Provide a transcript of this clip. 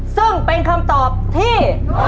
ซึ่งเป็นคำตอบที่